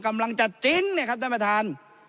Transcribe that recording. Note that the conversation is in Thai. กำลังจะเจ๊งเนี่ยครับท่านประธาน